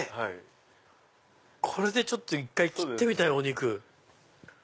これで１回切ってみたいお肉。